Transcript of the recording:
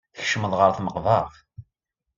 Tkeccmeḍ ɣer tmeqbert.